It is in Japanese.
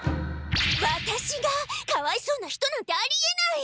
ワタシがかわいそうな人なんてありえない！